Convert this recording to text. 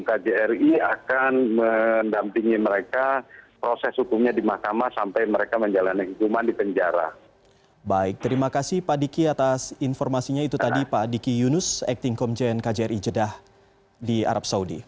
kjri akan mendampingi mereka proses hukumnya di mahkamah sampai mereka menjalani hukuman di penjara